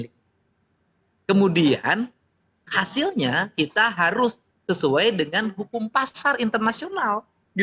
kemudian hasilnya kita harus sesuai dengan hukum pasar internasional